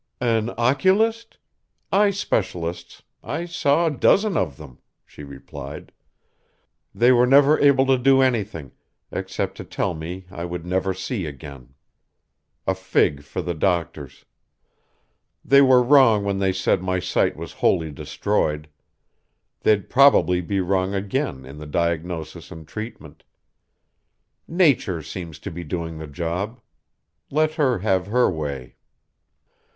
"An oculist? Eye specialists I saw a dozen of them," she replied. "They were never able to do anything except to tell me I would never see again. A fig for the doctors. They were wrong when they said my sight was wholly destroyed. They'd probably be wrong again in the diagnosis and treatment. Nature seems to be doing the job. Let her have her way."